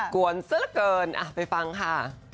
กวนเสื้อเหลือเกินไปฟังค่ะ